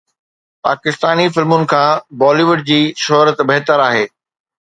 پاڪستاني فلمن کان بالي ووڊ جي شهرت بهتر آهي